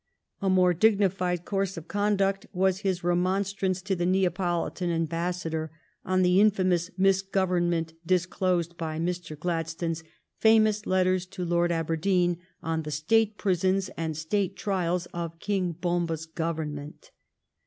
A more dignified course of conduct was his remonstrance to the Neapolitan ambassador on the infamous misgovernment disclosed by Mr. Gladstone's famous letters to Lord Aberdeen on the state prisons and state trials of King Bomba's Govern ment.